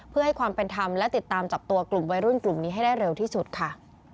เพื่อให้ความเป็นธรรมและติดตามจับตัวกลุ่มวัยรุ่นกลุ่มนี้ให้ได้เร็วที่สุดค่ะ